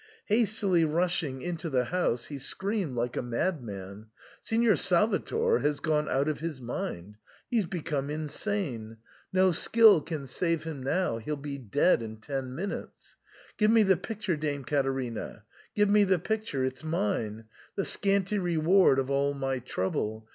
Hastily rushing into the 70 SIGNOR FORMICA. house, he screamed like a madman, " Signer Salvator has gone out of his mind, he's become insane ; no skill can save him now, he'll be dead in ten minutes. Give me the picture, Dame Caterina, give me the picture — it's mine, the scanty reward of all my trouble.